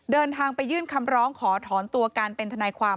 เดินทางไปยื่นคำร้องขอถอนตัวการเป็นทนายความ